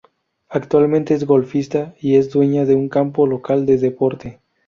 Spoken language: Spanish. Actualmente es golfista y es dueña de un campo local de deporte.